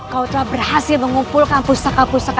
kau telah berhasil mengumpulkan pusaka pusaka